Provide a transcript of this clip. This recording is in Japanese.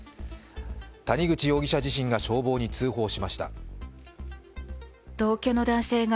谷口容疑者自身が消防に通報しました。